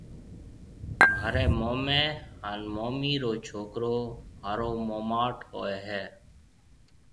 مهاريَ موميَ هانَ مومِي رو ڇوڪرو مهارو موماٽ هوئيَ هيَ۔